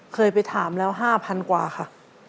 เคยไปถามแล้ว๕๐๐๐กว่าค่ะ